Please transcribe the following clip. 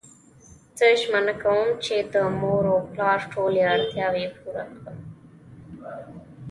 زه ژمنه کوم چی د مور او پلار ټولی اړتیاوی پوره کړم